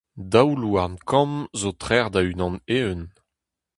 Daou louarn kamm zo trec'h da unan eeun.